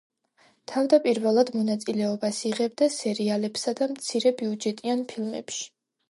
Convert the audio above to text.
თავდაპირველად მონაწილეობას იღებდა სერიალებსა და მცირებიუჯეტიან ფილმებში.